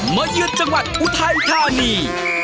เยือนจังหวัดอุทัยธานี